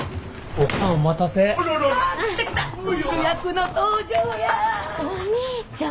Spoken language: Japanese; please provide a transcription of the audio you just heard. お兄ちゃん！